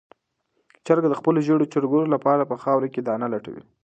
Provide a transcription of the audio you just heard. چرګه د خپلو ژېړو چرګوړو لپاره په خاوره کې دانه لټوي.